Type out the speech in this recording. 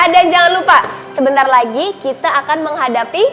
dan jangan lupa sebentar lagi kita akan menghadapi